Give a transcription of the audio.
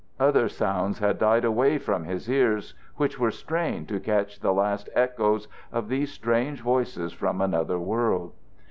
Others sounds had died away from his ears, which were strained to catch the last echoes of these strange voices from another world.